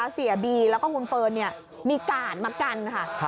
เสียบีแล้วก็คุณเฟิร์นมีกาดมากันค่ะ